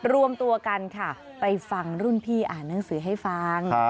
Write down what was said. รวมตัวกันค่ะไปฟังรุ่นพี่อ่านหนังสือให้ฟัง